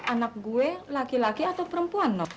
anak gue laki laki atau perempuan nob